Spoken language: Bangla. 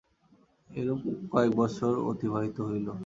এইরূপে কয়েক বৎসর অতিবাহিত হইল।